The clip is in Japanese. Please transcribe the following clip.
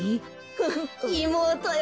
フフッいもうとよ